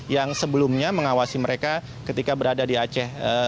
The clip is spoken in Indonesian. yang sebelumnya mengawasi mereka ketika berada di aceh